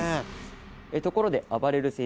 ところであばれる先生